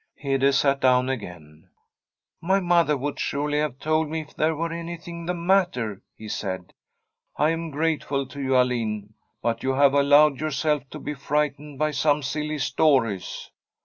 Hede sat down again. * My mother would surely have told me if there were anything the matter,' he said. * I am grate 16] Tbi STORY of a COUNTRY HOUSE ful to you, Alin ; but you have allowed yourself to be frightened by some silly stories.'